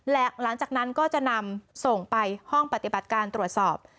และหลังจากนั้นก็จะนำส่งไปห้องปฏิบัติการตรวจสอบ